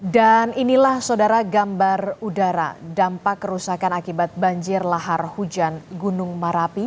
dan inilah saudara gambar udara dampak kerusakan akibat banjir lahar hujan gunung marapi